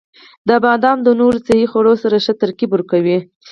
• بادام د نورو صحي خوړو سره ښه ترکیب ورکوي.